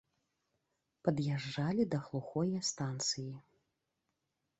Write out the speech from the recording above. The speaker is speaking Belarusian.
Пад'язджалі да глухое станцыі.